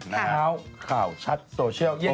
ข่าวข่าวชัดโตเชียล